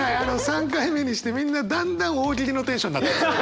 ３回目にしてみんなだんだん大喜利のテンションに。